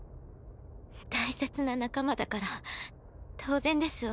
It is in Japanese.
大切な仲間だから当然ですわ。